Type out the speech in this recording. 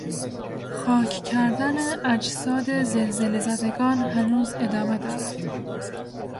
خاک کردن اجساد زلزلهزدگان هنوز ادامه دارد.